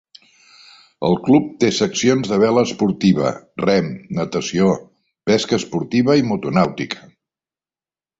El club té seccions de vela esportiva, rem, natació, pesca esportiva i motonàutica.